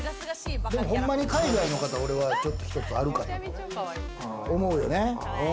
ほんまに海外の方、ちょっとあるかなと思うよね。